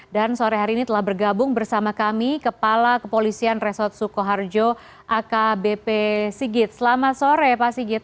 dan sore hari ini telah bergabung bersama kami kepala kepolisian resort sukoharjo akbp sigit selamat sore pak sigit